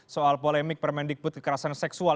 soal polemik permendikbud kekerasan seksual